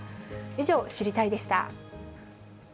以上、知りたいッ！でした。